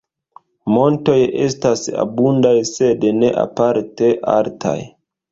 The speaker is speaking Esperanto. Montoj estas abundaj sed ne aparte altaj.